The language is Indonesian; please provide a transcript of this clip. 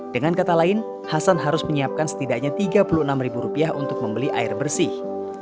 dengan kata lain hasan harus menyiapkan setidaknya tiga puluh enam untuk membeli air bersih